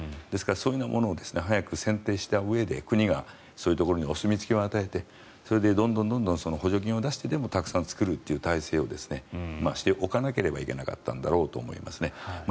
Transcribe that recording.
ですからそういうものを早く選定したうえで国がそういうところにお墨付きを与えてそれでどんどん補助金を出してでもたくさん作るという体制をしておかなければいけなかったんだろうと思いますね。